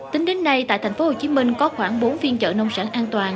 tính đến nay tại tp hcm có khoảng bốn phiên chợ nông sản an toàn